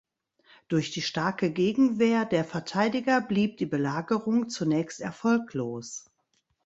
Durch die starke Gegenwehr der Verteidiger blieb die Belagerung zunächst erfolglos.